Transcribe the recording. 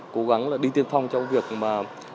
cố gắng là đi tiên phong trong việc mà